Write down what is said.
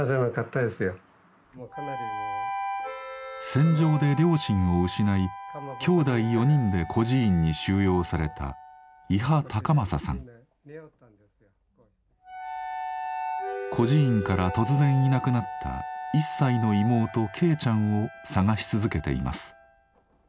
戦場で両親を失いきょうだい４人で孤児院に収容された孤児院から突然いなくなった１歳の妹恵ちゃんを捜し続けています。